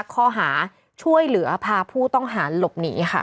ข้อหาช่วยเหลือพาผู้ต้องหาหลบหนีค่ะ